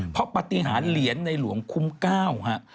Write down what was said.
เพราะปฏิหารเหรียญในหลวงคุ้ม๙ฮะ